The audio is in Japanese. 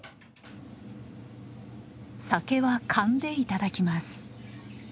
酒は燗でいただきます。